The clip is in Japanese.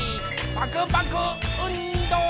パクパクうんど！